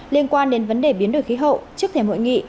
liên quan đến vấn đề biến đổi khí hậu trước thềm hội nghị